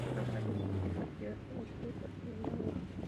Una parte significativa quedó cubierta por el agua.